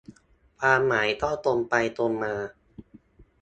ความหมายก็ตรงไปตรงมา